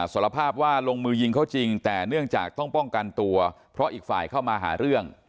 สารภาพว่าลงมือยิงเขาจริงแต่เนื่องจากต้องป้องกันตัวเพราะอีกฝ่ายเข้ามาหาเรื่อง